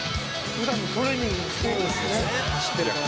「普段トレーニングもしてるんですよね」